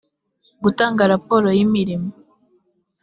gutanga raporo y imirimo